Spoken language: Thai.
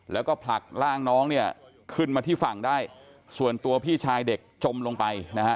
แล้วก็ผลักร่างน้องเนี่ยขึ้นมาที่ฝั่งได้ส่วนตัวพี่ชายเด็กจมลงไปนะฮะ